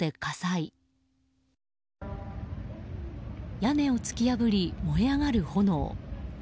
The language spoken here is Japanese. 屋根を突き破り燃え上がる炎。